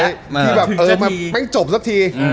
ที่แบบเออแบบไม่จบสักที